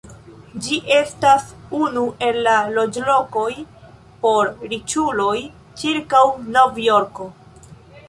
Ĝi estas unu el la loĝlokoj por riĉuloj ĉirkaŭ Novjorko.